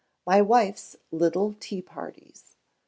My Wife's Little Tea Parties.